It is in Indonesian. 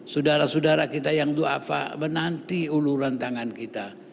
sudara sudara kita yang do'afa menanti uluran tangan kita